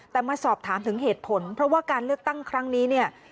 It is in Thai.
แต่มาสอบถามถึงเหตุผลเพราะว่าการเลือกตั้งครั้งนี้เนี่ย